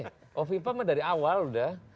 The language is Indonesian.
bukoviva mah dari awal udah